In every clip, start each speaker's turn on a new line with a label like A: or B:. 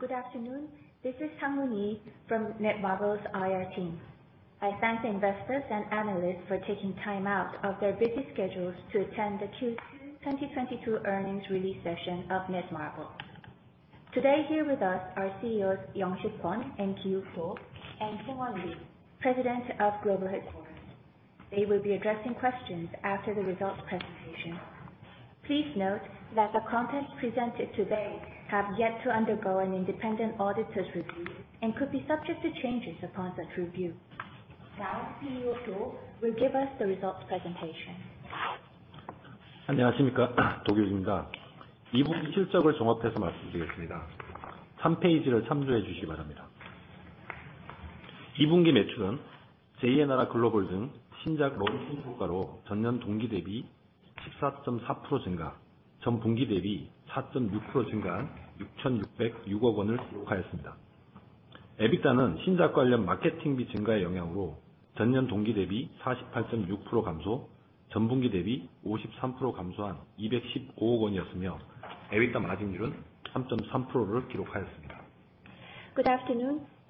A: Good afternoon. This is Tang Li from Netmarble's IR team. I thank the investors and analysts for taking time out of their busy schedules to attend the Q2 2022 earnings release session of Netmarble. Today, here with us are CEOs Kwon Young-sik and Do Ki-wook and Lee Seung-won, President of Global Headquarters. They will be addressing questions after the results presentation. Please note that the content presented today have yet to undergo an independent auditor's review and could be subject to changes upon such review. Now CEO Do will give us the results presentation. Good afternoon.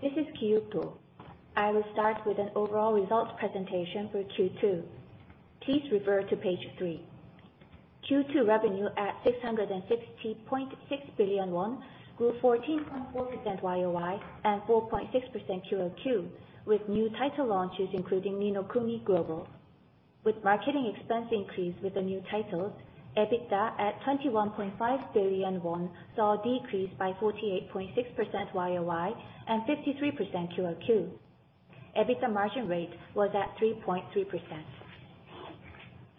A: This is Do Ki-wook. I will start with an overall results presentation for Q2. Please refer to page three. Q2 revenue at 660.6 billion won grew 14.4% YOY and 4.6% QOQ with new title launches, including Ni no Kuni Global. With marketing expense increase with the new titles, EBITDA at 21.5 billion won saw a decrease by 48.6% YOY and 53% QOQ. EBITDA margin rate was at 3.3%.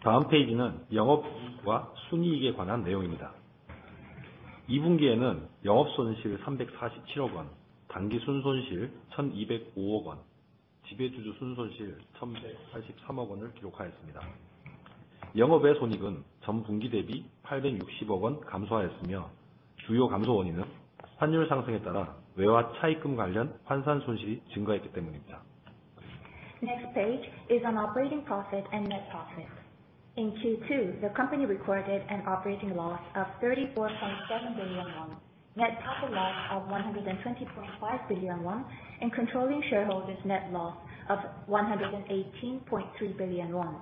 A: Next page is on operating profit and net profit. In Q2, the company recorded an operating loss of 34.7 billion won, net profit loss of 120.5 billion won, and controlling shareholders' net loss of 118.3 billion won.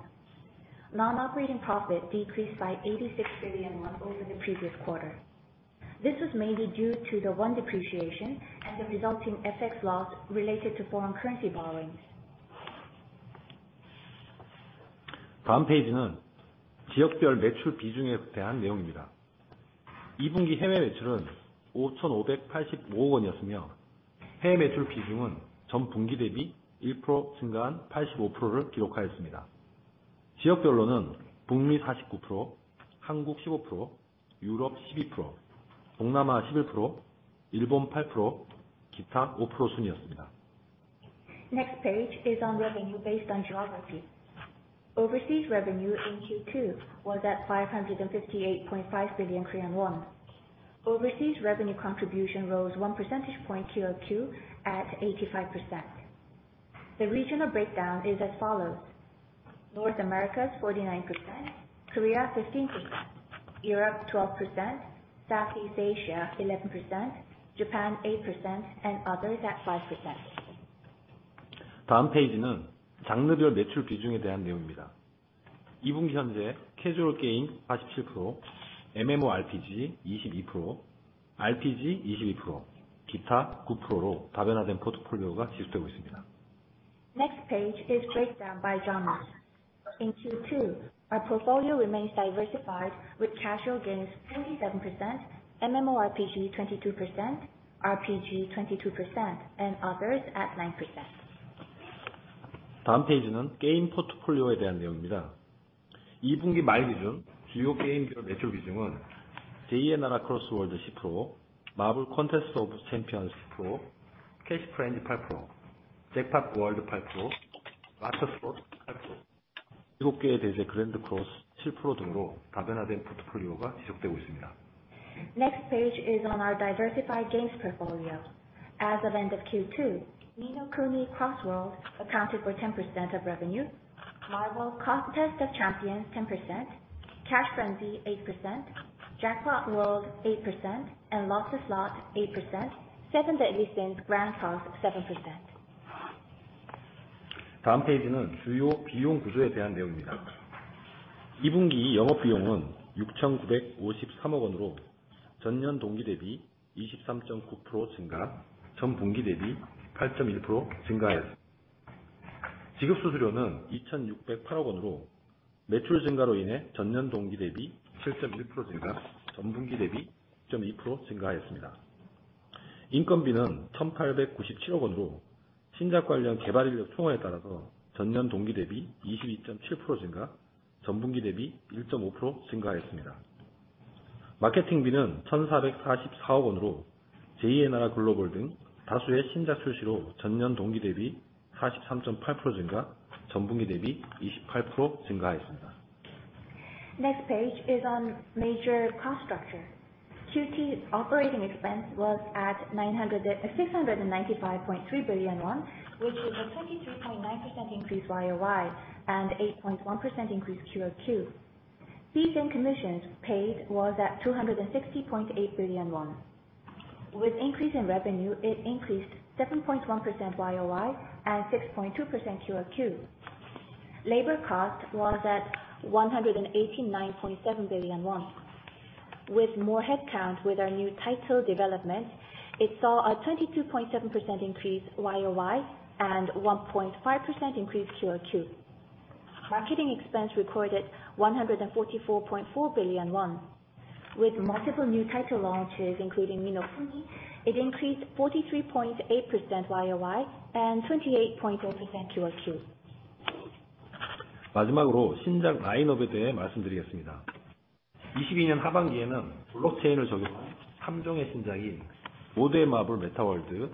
A: Non-operating profit decreased by 86 billion won over the previous quarter. This was mainly due to the won depreciation and the resulting FX loss related to foreign currency borrowings. Next page is on revenue based on geography. Overseas revenue in Q2 was at 558.5 billion Korean won. Overseas revenue contribution rose one percentage point QOQ at 85%. The regional breakdown is as follows: North America 49%, Korea 15%, Europe 12%, Southeast Asia 11%, Japan 8%, and others at 5%. Next page is breakdown by genres. In Q2, our portfolio remains diversified with casual games 47%, MMORPG 22%, RPG 22%, and others at 9%. Next page is on our diversified games portfolio. As of end of Q2, Ni no Kuni: Cross Worlds accounted for 10% of revenue, MARVEL Contest of Champions 10%, Cash Frenzy 8%, Jackpot World 8%, and Lotsa Slots 8%, The Seven Deadly Sins: Grand Cross 7%. Next page is on major cost structure. Q2's operating expense was at 695.3 billion won, which is a 23.9% increase YOY and 8.1% increase QOQ. Fees and commissions paid was at 260.8 billion won. With increase in revenue, it increased 7.1% YOY and 6.2% QOQ. Labor cost was at 189.7 billion won. With more headcount with our new title development, it saw a 22.7% increase YOY and 1.5% increase QOQ. Marketing expense recorded 144.4 billion won. With multiple new title launches, including Ni no Kuni, it increased 43.8% YOY and 28.0% QOQ. Lastly on our lineup. In the second half of the year, there will be introduction of six new games, of which three uses blockchain technology. They are Meta World: My City,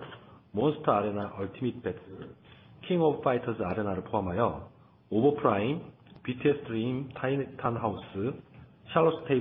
A: Monster Arena Ultimate Battle, and The King of Fighters Arena. The other titles are Paragon: The Overprime, BTS Dream: TinyTAN House, and Charlotte's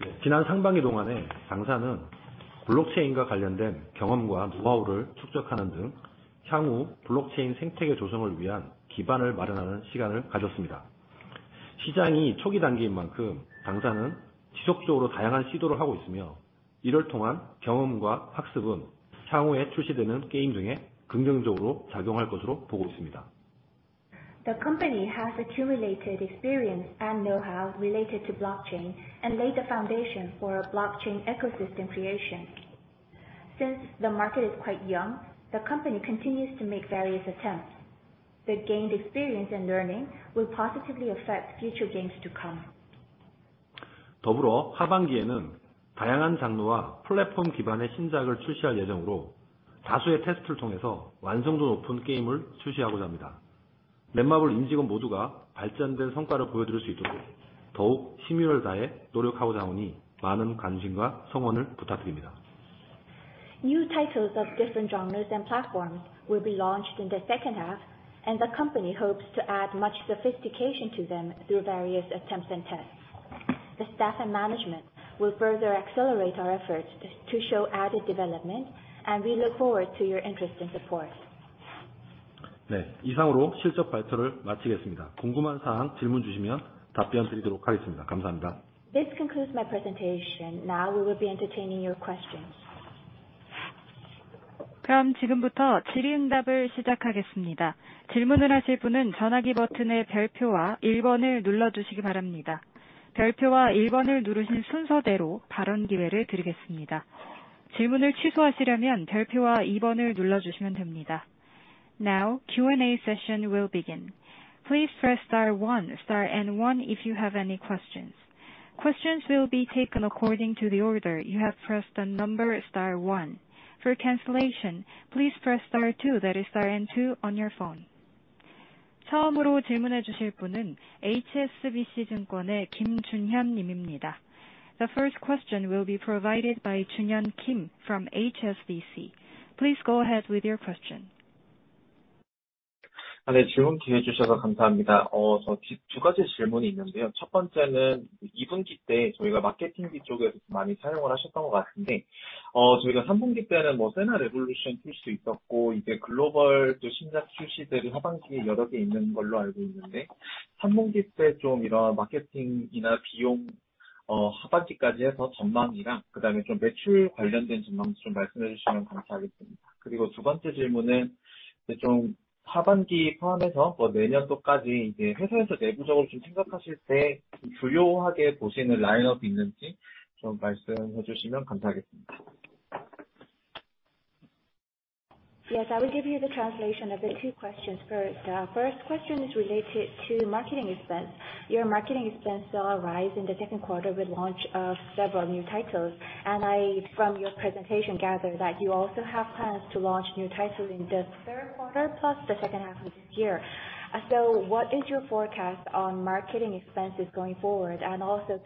A: Table. The company has accumulated experience and know-how related to blockchain and laid the foundation for blockchain ecosystem creation. Since the market is quite young, the company continues to make various attempts. The gained experience and learning will positively affect future games to come. New titles of different genres and platforms will be launched in the second half, and the company hopes to add much sophistication to them through various attempts and tests. The staff and management will further accelerate our efforts to show added development, and we look forward to your interest and support. This concludes my presentation. Now we will be entertaining your questions. Now Q&A session will begin. Please press star one, star and one if you have any questions. Questions will be taken according to the order you have pressed the number star one. For cancellation, please press star two, that is star and two on your phone. The first question will be provided by Junhyun Kim from HSBC. Please go ahead with your question.
B: Yes, I will give you the translation of the two questions first. First question is related to marketing expense. Your marketing expense saw a rise in the Q2 with launch of several new titles. I, from your presentation, gather that you also have plans to launch new titles in the Q3 plus the second half of this year. What is your forecast on marketing expenses going forward?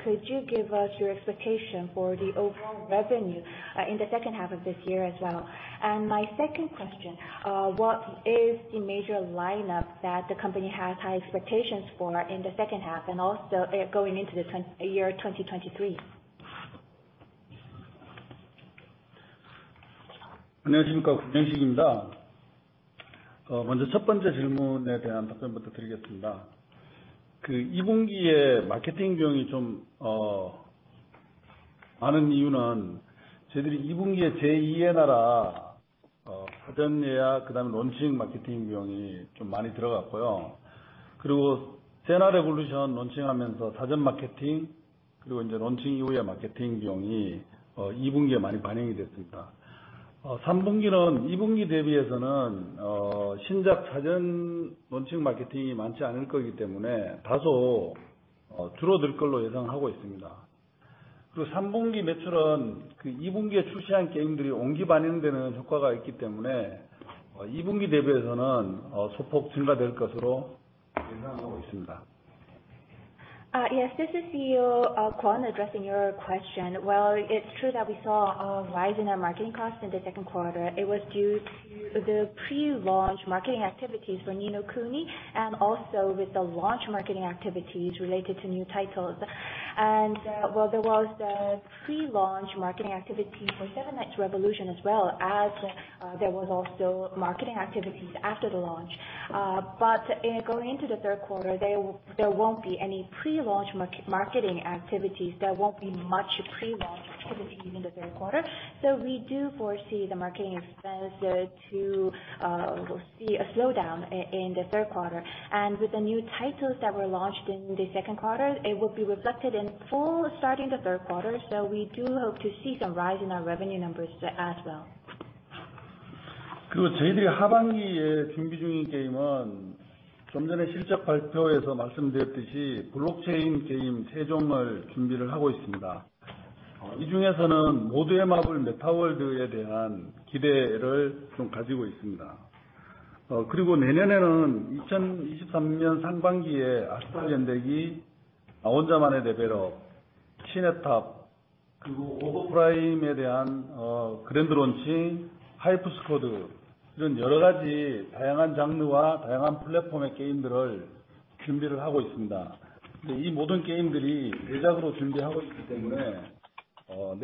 B: Could you give us your expectation for the overall revenue in the second half of this year as well? My second question, what is the major lineup that the company has high expectations for in the second half and also going into the year 2023?
C: Yes, this is CEO Kwon addressing your question. Well, it's true that we saw a rise in our marketing costs in the Q2. It was due to the pre-launch marketing activities for Ni no Kuni, and also with the launch marketing activities related to new titles. Well, there was the pre-launch marketing activity for Seven Knights Revolution as well as there was also marketing activities after the launch. Going into the Q3, there won't be any pre-launch marketing activities. There won't be much pre-launch activity in the Q3. We do foresee the marketing expenses to we'll see a slowdown in the Q3. With the new titles that were launched in the Q2, it will be reflected in full starting the Q3. We do hope to see some rise in our revenue numbers as well.
D: Our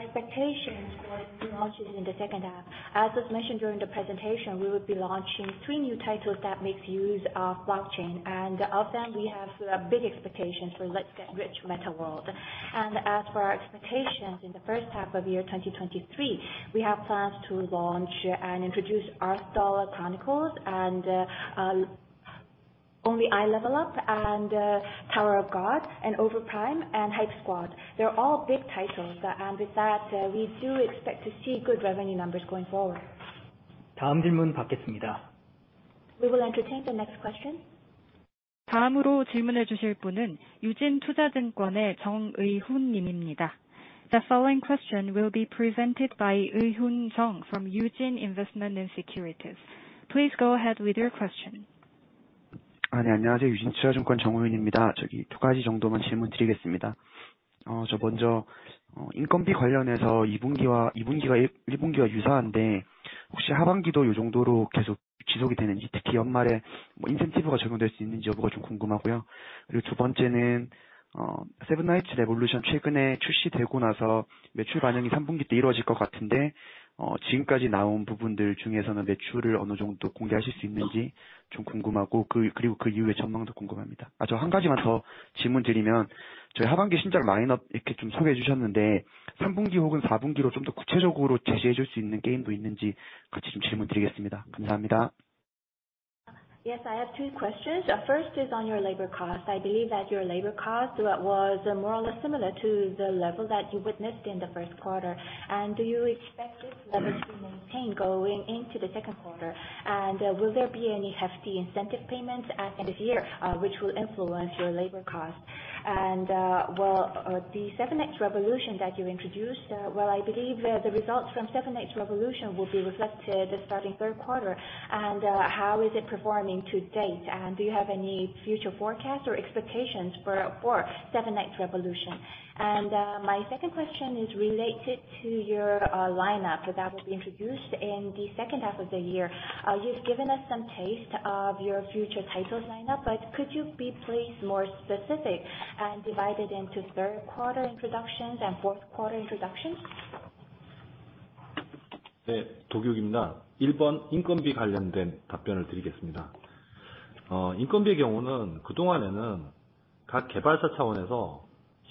D: expectations for new launches in the second half. As was mentioned during the presentation, we will be launching three new titles that makes use of blockchain. Of them, we have big expectations for Meta World: My City. As for our expectations in the first half of 2023, we have plans to launch and introduce Arthdal Chronicles and Solo Leveling: Arise, and Tower of God: New World, and Paragon: The Overprime, and HypeSquad. They're all big titles, and with that, we do expect to see good revenue numbers going forward.
A: We will entertain the next question. The following question will be presented by Eui-hoon Lee from Eugene Investment & Securities. Please go ahead with your question.
E: Yes. I have two questions. First is on your labor cost. I believe that your labor cost was more or less similar to the level that you witnessed in the Q1. Do you expect this level to maintain going into the Q2? Will there be any hefty incentive payments at end of year, which will influence your labor cost? The Seven Knights Revolution that you introduced. I believe the results from Seven Knights Revolution will be reflected starting Q3. How is it performing to date? Do you have any future forecasts or expectations for Seven Knights Revolution? My second question is related to your lineup that will be introduced in the second half of the year. You've given us some taste of your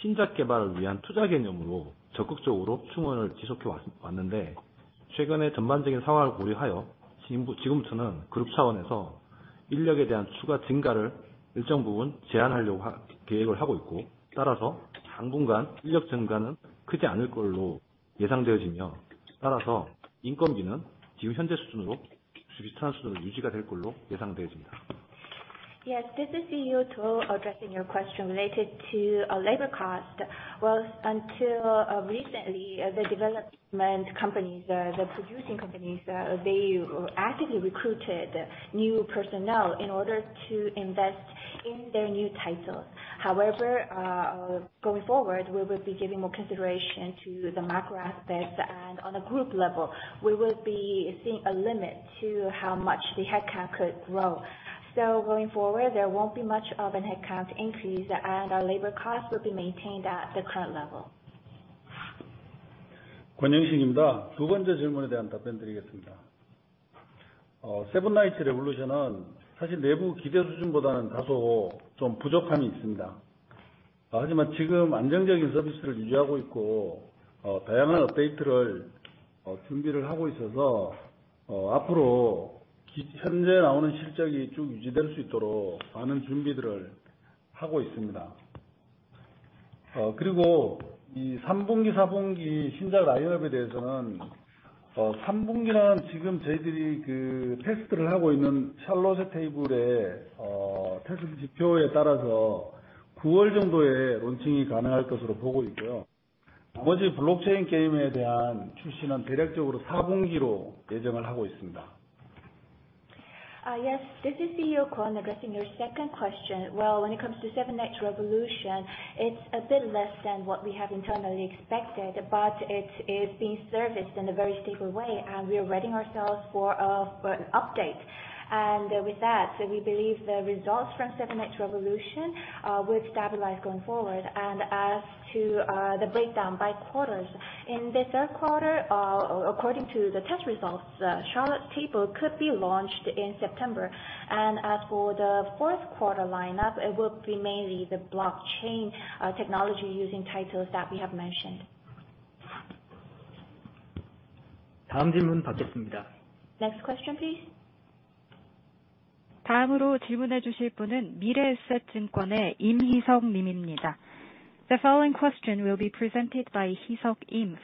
E: future titles lineup, but could you be please more specific and divide it into Q3 introductions and Q4 introductions?
C: Yes, this is CEO Do addressing your question related to our labor cost. Well, until recently, the development companies, the producing companies, they actively recruited new personnel in order to invest in their new title. However, going forward, we will be giving more consideration to the macro aspects, and on a group level, we will be seeing a limit to how much the headcount could grow. Going forward, there won't be much of an headcount increase, and our labor cost will be maintained at the current level.
D: Seven Knights Revolution.
C: Yes. This is CEO Kwon addressing your second question. Well, when it comes to Seven Knights Revolution, it's a bit less than what we have internally expected, but it is being serviced in a very stable way, and we are readying ourselves for an update. With that, so we believe the results from Seven Knights Revolution will stabilize going forward. As to the breakdown by quarters. In the Q3, according to the test results, Charlotte's Table could be launched in September. As for the Q4 lineup, it will be mainly the blockchain technology using titles that we have mentioned.
A: Next question, please. The following question will be presented by Lim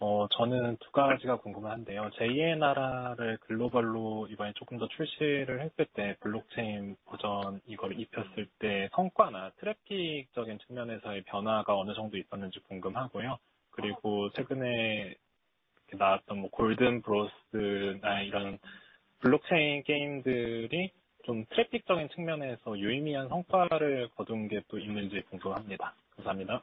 A: Hee-seok from Mirae Asset Securities. Please go ahead with your question.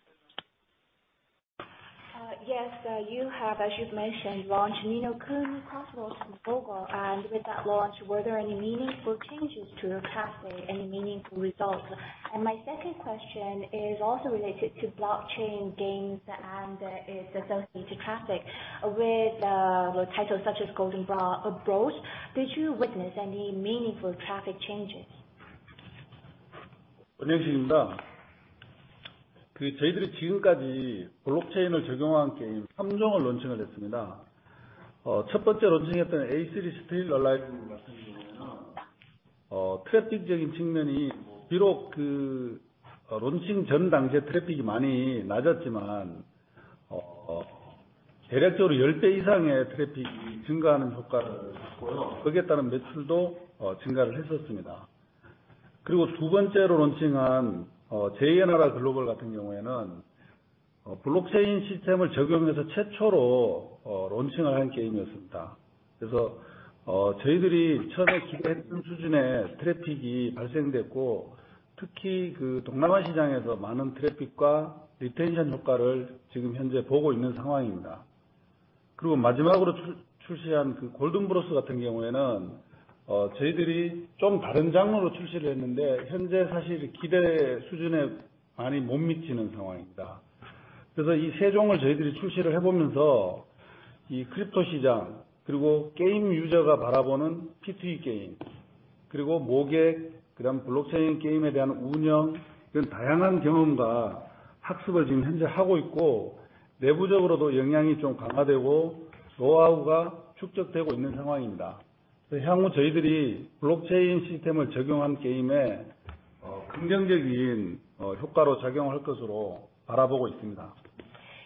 F: Yes, you have, as you've mentioned, launched Ni no Kuni: Cross Worlds globally, and with that launch, were there any meaningful changes to your pathway, any meaningful results? My second question is also related to blockchain games and is associated to traffic. With titles such as Golden Bros, did you witness any meaningful traffic changes?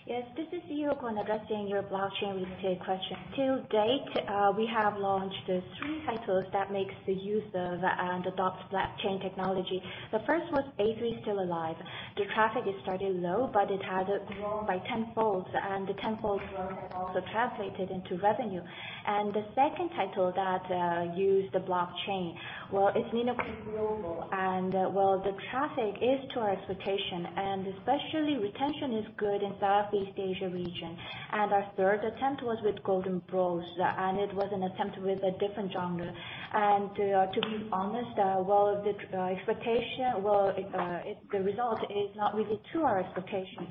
C: Yes. This is CEO Kwon addressing your blockchain-related question. To date, we have launched three titles that makes the use of and adopts blockchain technology. The first was A3: Still Alive. The traffic started low, but it has grown by tenfolds, and the tenfolds growth has also translated into revenue. The second title that used the blockchain, it's Ni no Kuni: Cross Worlds global. The traffic is to our expectation, and especially retention is good in Southeast Asia region. Our third attempt was with Golden Bros, and it was an attempt with a different genre. To be honest, the result is not really to our expectations.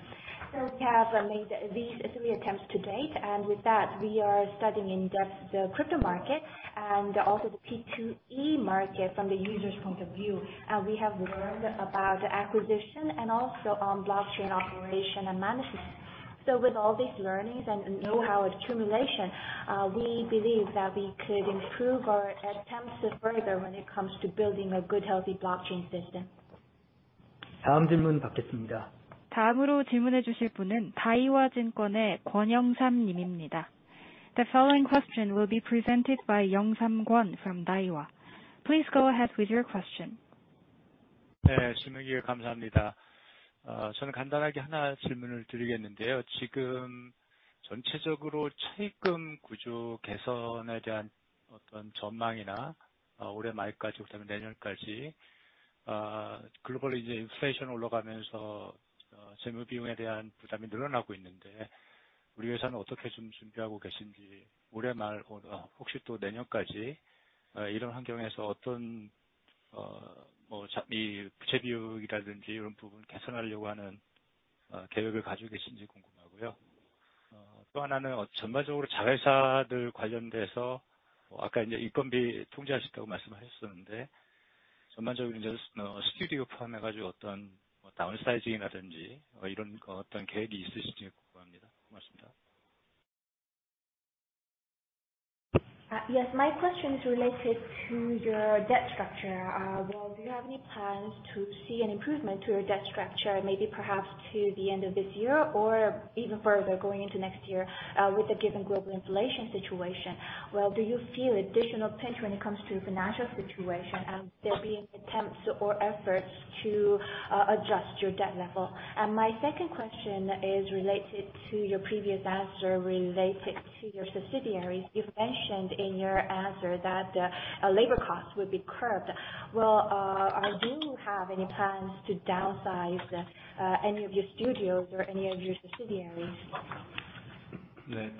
C: We have made these three attempts to date, and with that, we are studying in-depth the crypto market and also the P2E market from the user's point of view. We have learned about acquisition and also on blockchain operation and management. With all these learnings and know-how accumulation, we believe that we could improve our attempts further when it comes to building a good, healthy blockchain system.
A: Next question. The following question will be presented by Young-Sam Kwon from Daiwa. Please go ahead with your question.
G: Uh, Yes. This is CEO Kwon addressing your question. Yes, my question is related to your debt structure. Well, do you have any plans to see an improvement to your debt structure, maybe perhaps to the end of this year or even further going into next year, with the given global inflation situation? Well, do you feel additional pinch when it comes to your financial situation and there being attempts or efforts to, adjust your debt level? My second question is related to your previous answer related to your subsidiaries. You've mentioned in your answer that, labor costs would be curbed. Well, do you have any plans to downsize, any of your studios or any of your subsidiaries? Yes.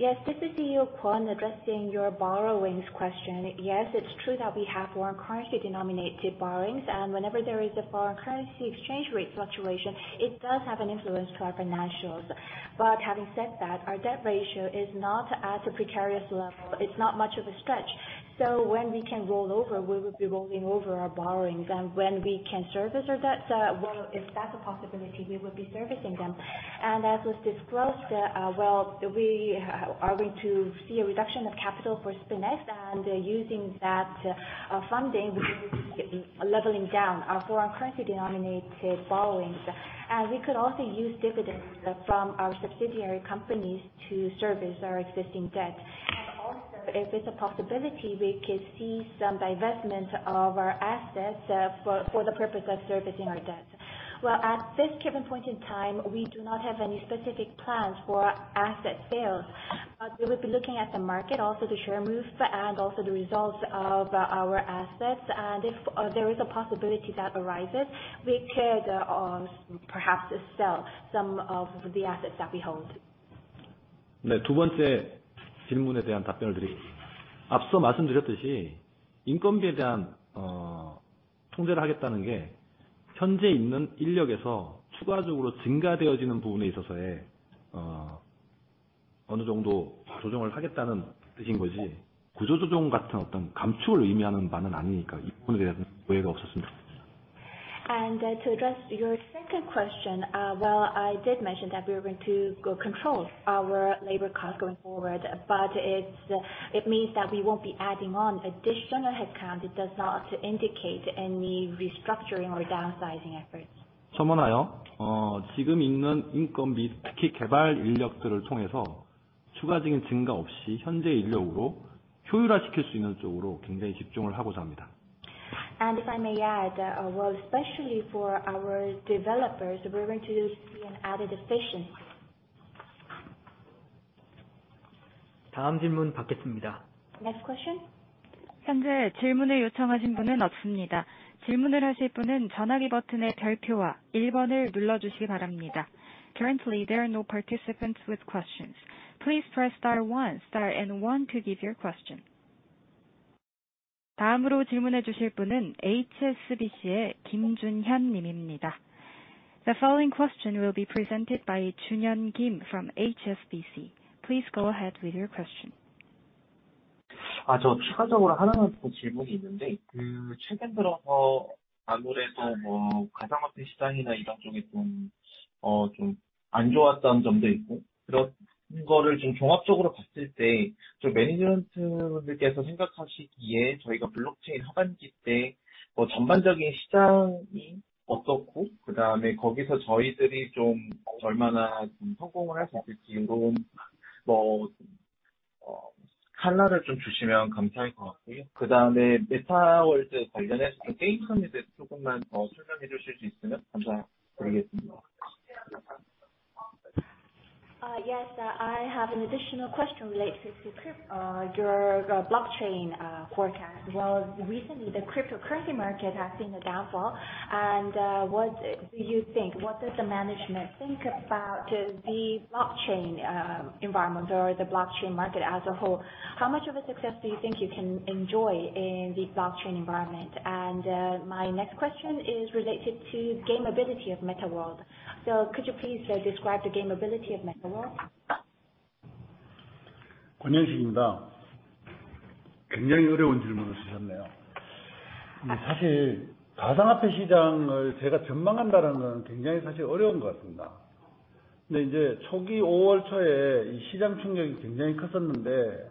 G: This is CEO Kwon addressing your borrowings question.
C: Yes, it's true that we have foreign currency denominated borrowings, and whenever there is a foreign currency exchange rate fluctuation, it does have an influence to our financials. Having said that, our debt ratio is not at a precarious level. It's not much of a stretch. When we can roll over, we will be rolling over our borrowings. When we can service our debts, well, if that's a possibility, we will be servicing them. As was disclosed, well, we are going to see a reduction of capital for SpinX and using that, funding, we will be leveling down our foreign currency denominated borrowings. We could also use dividends from our subsidiary companies to service our existing debts. Also, if it's a possibility, we could see some divestment of our assets, for the purpose of servicing our debts. At this given point in time, we do not have any specific plans for asset sales, but we will be looking at the market, also the share moves and also the results of our assets. If there is a possibility that arises, we could, perhaps sell some of the assets that we hold. To address your second question, well, I did mention that we are going to control our labor costs going forward, but it means that we won't be adding on additional headcount. It does not indicate any restructuring or downsizing efforts. If I may add, well, especially for our developers, we're going to see an added efficiency. Next question.
B: Currently, there are no participants with questions. Please press star one, star and one to give your question. The following question will be presented by Junhyun Kim from HSBC. Please go ahead with your question.
C: Yes, I have an additional question related to your blockchain forecast. Well, recently the cryptocurrency market has seen a downfall. What do you think? What does the management think about the blockchain environment or the blockchain market as a whole? How much of a success do you think you can enjoy in the blockchain environment? My next question is related to game ability of MetaWorld. Could you please describe the game ability of MetaWorld?
D: 사실 가상화폐 시장을 제가 전망한다는 건 굉장히 어려운 것 같습니다. 근데 이제 초기 5월 초에 이 시장 충격이 굉장히 컸었는데,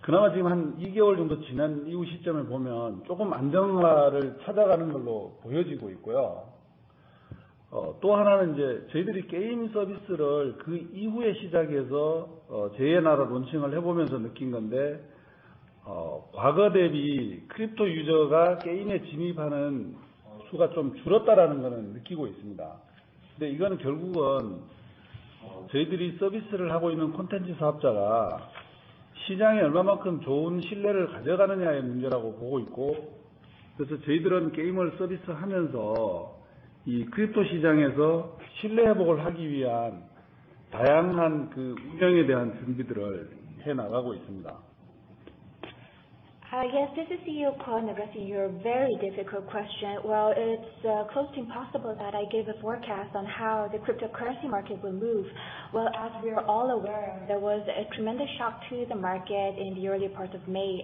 D: 그나마 지금 한 2개월 정도 지난 이후 시점을 보면 조금 안정화를 찾아가는 걸로 보여지고 있고요. 또 하나는 이제 저희들이 게임 서비스를 그 이후에 시작해서, 제2의 나라 론칭을 해보면서 느낀 건데, 과거 대비 크립토 유저가 게임에 진입하는 수가 좀 줄었다라는 거는 느끼고 있습니다. 근데 이거는 결국은 저희들이 서비스를 하고 있는 콘텐츠 사업자가 시장에 얼마만큼 좋은 신뢰를 가져가느냐의 문제라고 보고 있고, 그래서 저희들은 게임을 서비스하면서 이 크립토 시장에서 신뢰 회복을 하기 위한 다양한 운영에 대한 준비들을 해나가고 있습니다.
C: Yes, this is CEO Kwon addressing your very difficult question. Well, it's close to impossible that I give a forecast on how the cryptocurrency market will move. Well, as we are all aware, there was a tremendous shock to the market in the early part of May.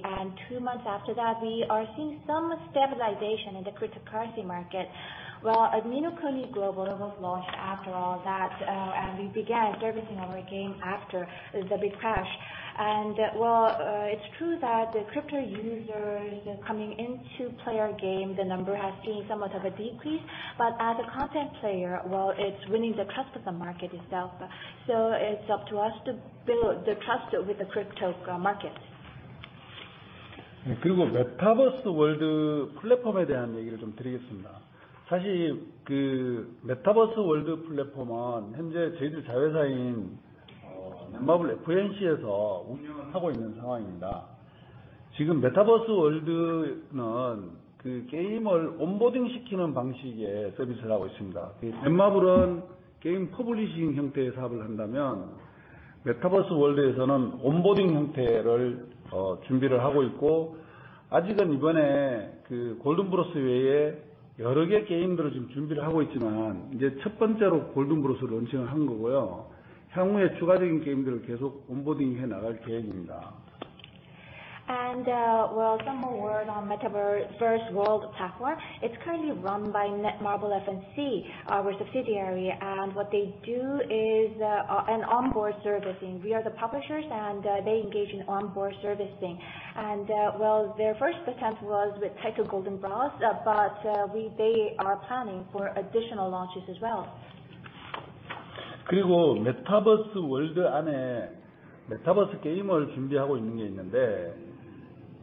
C: Two months after that, we are seeing some stabilization in the cryptocurrency market. Well, Ni no Kuni Global was launched after all that, and we began servicing our game after the big crash. Well, it's true that the crypto users coming into play our game, the number has seen somewhat of a decrease. But as a content player, well, it's winning the trust of the market itself. It's up to us to build the trust with the crypto market.
D: Metaverse World 플랫폼에 대한 얘기를 좀 드리겠습니다. Metaverse World 플랫폼은 현재 저희들 자회사인 넷마블F&C에서 운영을 하고 있는 상황입니다. 지금 Metaverse World는 게임을 온보딩시키는 방식의 서비스를 하고 있습니다. 넷마블은 게임 퍼블리싱 형태의 사업을 한다면 Metaverse World에서는 온보딩 형태를 준비를 하고 있고, 아직은 이번에 Golden Bros 외에 여러 개 게임들을 지금 준비를 하고 있지만, 첫 번째로 Golden Bros를 론칭을 한 거고요. 향후에 추가적인 게임들을 계속 온보딩해 나갈 계획입니다.
C: Some more word on Metaverse World platform. It's currently run by Netmarble F&C, our subsidiary. What they do is onboarding services. We are the publishers and they engage in onboarding services. Their first attempt was with title Golden Bros. They are planning for additional launches as well.
D: 그리고 Metaverse World 안에 Metaverse 게임을 준비하고 있는 게 있는데,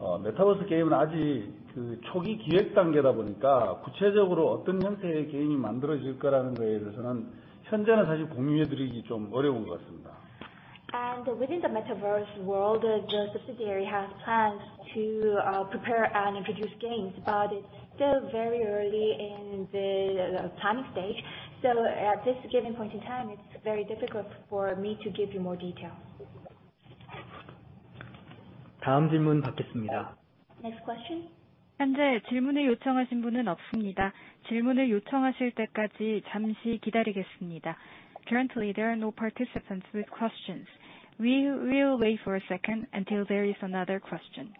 D: Metaverse 게임은 아직 그 초기 기획 단계다 보니까 구체적으로 어떤 형태의 게임이 만들어질 거라는 거에 대해서는 현재는 사실 공유해 드리기 좀 어려운 것 같습니다.
C: Within the Metaverse World, the subsidiary has plans to prepare and produce games, but it's still very early in the planning stage. At this given point in time, it's very difficult for me to give you more detail.
H: 다음 질문 받겠습니다.
C: Next question.
A: 현재 질문을 요청하신 분은 없습니다. 질문을 요청하실 때까지 잠시 기다리겠습니다. Currently, there are no participants with questions. We will wait for a second until there is another question.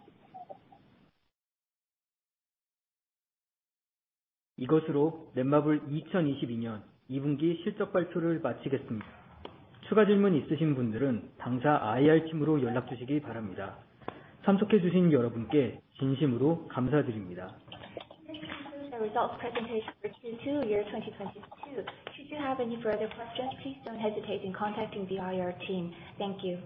H: 이것으로 넷마블 2022년 2분기 실적 발표를 마치겠습니다. 추가 질문 있으신 분들은 당사 IR팀으로 연락 주시기 바랍니다. 참석해 주신 여러분께 진심으로 감사드립니다.
A: This concludes the results presentation for Q2 year 2022. Should you have any further questions, please don't hesitate in contacting the IR team. Thank you.